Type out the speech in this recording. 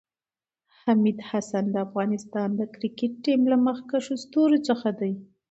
حمید حسن د افغانستان د کريکټ ټیم له مخکښو ستورو څخه ده